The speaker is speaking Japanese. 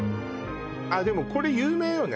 あっでもこれ有名よね